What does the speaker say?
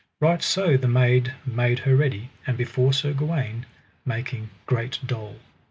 Right so the maid made her ready, and before Sir Gawaine, making great dole.